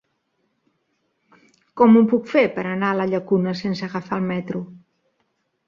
Com ho puc fer per anar a la Llacuna sense agafar el metro?